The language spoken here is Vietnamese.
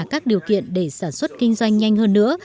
các điều kiện để sản xuất kinh doanh nhanh hơn nữa